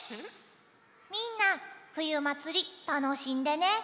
みんなふゆまつりたのしんでね！